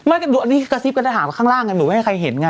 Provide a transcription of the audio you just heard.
อันนี้กระซิบกระดาบข้างล่างไงหนูไม่ให้ใครเห็นไง